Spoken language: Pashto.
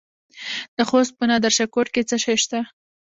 د خوست په نادر شاه کوټ کې څه شی شته؟